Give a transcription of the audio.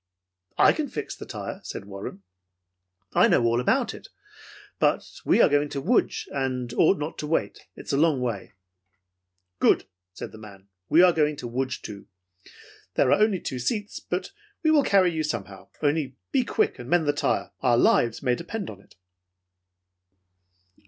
"I can fix the tire," said Warren. "I know all about it, but we are going to Lodz and we ought not to wait. It is a long way." "Good!" said the man. "We are going to Lodz, too. There are only two seats, but we will carry you somehow. Only be quick and mend the tire. Our lives may depend on it."